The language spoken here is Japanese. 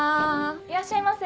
いらっしゃいませ。